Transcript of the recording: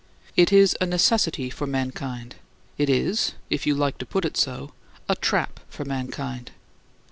It is a necessity far mankind; it is (if you like to put it so) a trap for mankind.